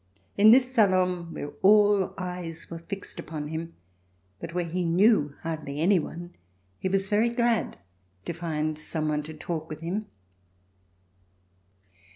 In this salon where all eyes were fixed upon him, but where he knew hardly any one, he was very glad to find some one to talk with him.